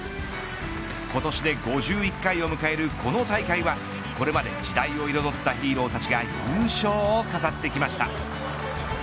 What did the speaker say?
今年で５１回を迎えるこの大会はこれまで時代を彩ったヒーローたちが優勝を飾ってきました。